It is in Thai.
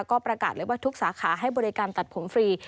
ก็ประกาศเลยว่าทุกสาขาให้บริการตัดผมฟรี